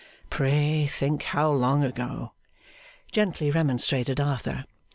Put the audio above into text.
Pray think how long ago,' gently remonstrated Arthur.